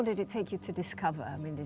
kami telah berada di seluruh negara